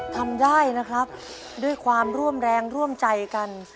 ทำได้นะครับด้วยความร่วมแรงร่วมใจกัน